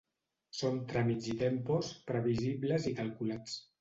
Són tràmits i tempos previsibles i calculats.